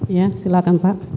iya silahkan pak